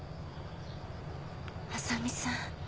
浅見さん。